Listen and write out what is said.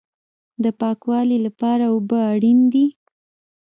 د پاکوالي لپاره اوبه اړین دي